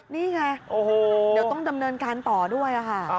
นี่ไงเดี๋ยวต้องดำเนินการต่อด้วยค่ะ